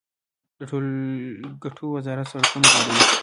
د ټولګټو وزارت سړکونه جوړوي